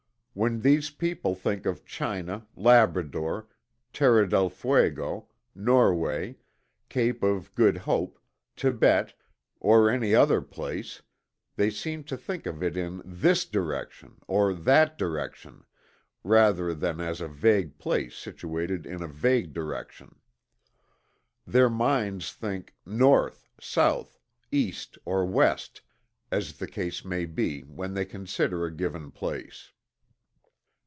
When these people think of China, Labrador, Terra del Fuego, Norway, Cape of Good Hope, Thibet, or any other place, they seem to think of it in "this direction or that direction" rather than as a vague place situated in a vague direction. Their minds think "north, south, east or west" as the case may be when they consider a given place.